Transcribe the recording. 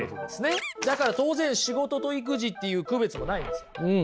だから当然仕事と育児っていう区別もないんです。